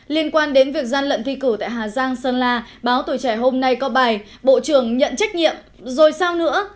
liên quan đến việc gian lận thi cử tại hà giang sơn la báo tuổi trẻ hôm nay có bài bộ trưởng nhận trách nhiệm rồi sao nữa